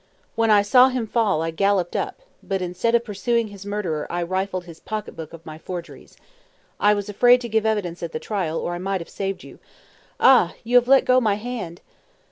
When I saw him fall I galloped up, but instead of pursuing his murderer I rifled his pocket book of my forgeries. I was afraid to give evidence at the trial, or I might have saved you. Ah! you have let go my hand!"